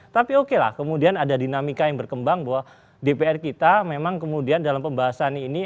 tapi oke lah kemudian ada dinamika yang berkembang bahwa dpr kita memang kemudian dalam pembahasan ini